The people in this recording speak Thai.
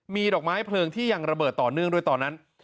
มีดอกไม้เพลิงที่ยังระเบิดต่อเนื่องด้วยตอนนั้น